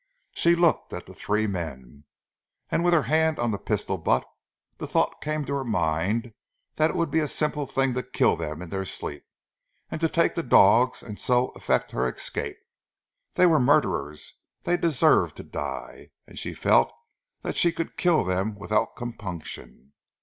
She looked at the three men, and with her hand on the pistol butt the thought came to her mind that it would be a simple thing to kill them in their sleep, and to take the dogs and so effect her escape. They were murderers; they deserved to die; and she felt that she could kill them without compunction.